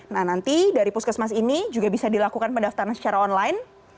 nah nanti dari puskesmas ini juga bisa dilakukan pendaftaran secara online